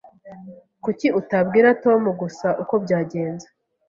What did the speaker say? Kuki utabwira Tom gusa uko byagenze?